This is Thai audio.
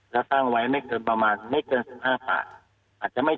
จะตั้งไว้ไม่เกินประมาณไม่เกินสิบห้าฝากอาจจะไม่